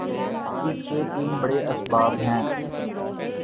اس کے تین بڑے اسباب ہیں۔